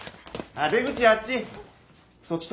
あっ出口あっち。